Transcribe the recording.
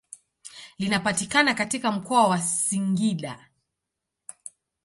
Linapatikana katika mkoa wa Singida.